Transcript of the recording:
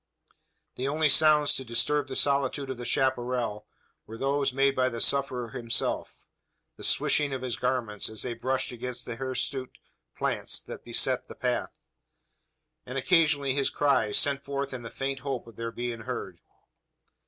The only sounds to disturb the solitude of the chapparal were those made by the sufferer himself the swishing of his garments, as they brushed against the hirsute plants that beset the path; and occasionally his cries, sent forth in the faint hope of their being heard.